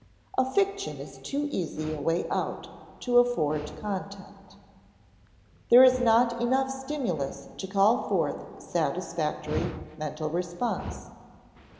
A fiction is too easy a way out to afford content. There is not enough stimulus to call forth satisfactory mental response.